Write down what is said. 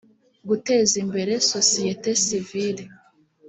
guteza imbere sosiyete sivile